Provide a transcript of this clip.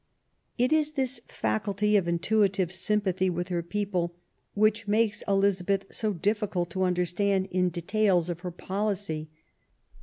It is this faculty of intuitive sympathy with her people which makes Elizabeth so difficult to under stand in details of her policy.